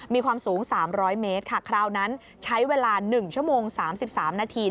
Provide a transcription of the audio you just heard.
มีความสูงสามร้อยเมตรค่ะคราวนั้นใช้เวลาหนึ่งชั่วโมงสามสิบสามนาที